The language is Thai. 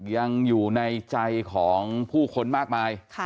ยังอยู่ในใจของผู้คนมากมาย